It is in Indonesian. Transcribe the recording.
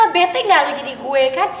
betek gak lo jadi gue kan